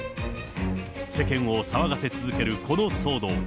世間を騒がせ続けるこの騒動。